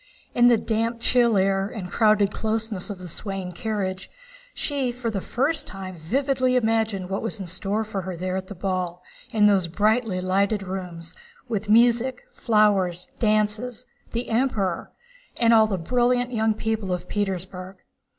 In the damp chill air and crowded closeness of the swaying carriage, she for the first time vividly imagined what was in store for her there at the ball, in those brightly lighted rooms—with music, flowers, dances, the Emperor, and all the brilliant young people of Petersburg.